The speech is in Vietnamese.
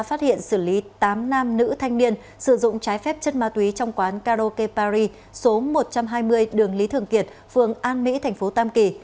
phát hiện xử lý tám nam nữ thanh niên sử dụng trái phép chất ma túy trong quán karaoke paris số một trăm hai mươi đường lý thường kiệt phường an mỹ thành phố tam kỳ